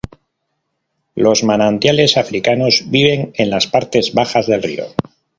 Los manatíes africanos viven en las partes bajas del río.